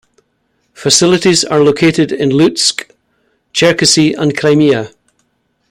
Facilities are located in Lutsk, Cherkasy and Crimea.